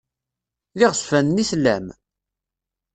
D iɣezfanen i tellam?